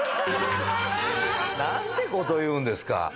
何てこと言うんですか！